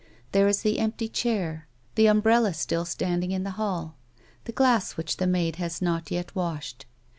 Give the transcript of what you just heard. There is the empty chair, the umbrella still standing in the hall, the glass which the maid has not yet washed.